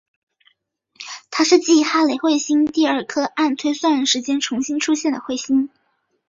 它是继哈雷彗星后第二颗按推算时间重新出现的彗星。